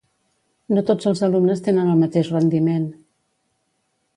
No tots els alumnes tenen el mateix rendiment.